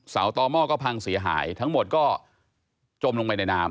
ต่อหม้อก็พังเสียหายทั้งหมดก็จมลงไปในน้ำ